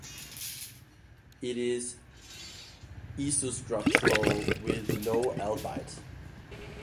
It is isostructural with low albite.